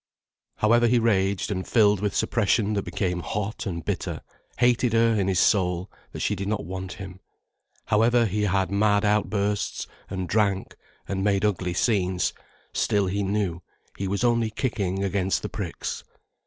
However he raged, and, filled with suppression that became hot and bitter, hated her in his soul that she did not want him, however he had mad outbursts, and drank and made ugly scenes, still he knew, he was only kicking against the pricks.